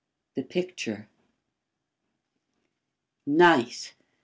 XV THE PICTURE NIGHT!